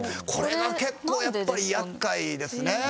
これが結構やっぱり厄介ですね。